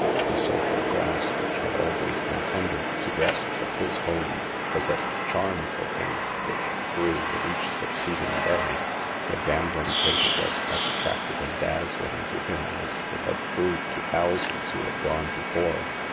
The social glass, which had always been tendered to guests at his home, possessed a charm for him which grew with each succeeding day. The gambling table was as attractive and dazzling to him as it had proved to thousands who had gone be fore.